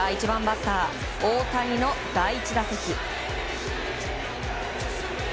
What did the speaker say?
１番バッター大谷の第１打席。